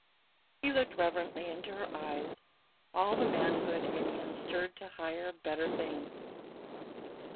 He looked reverently into her eyes, all the manhood in him stirred to higher, better things.